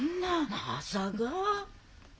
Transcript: まさか！